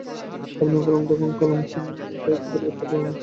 আপনার কলম তখন কালিহীন ছিল, তাই একটু প্রতিবাদও করতে পারেননি।